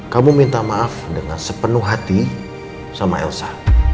kamu minta maaf dengan sepenuh hati sama elsa